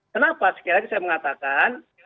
kenapa sekali lagi saya mengatakan